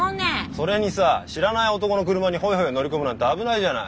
それにさ知らない男の車にホイホイ乗り込むなんて危ないじゃない。